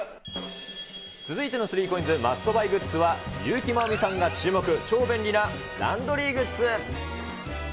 続いての３コインズマストグッズは、優木まおみさんが注目、超便利なランドリーグッズ。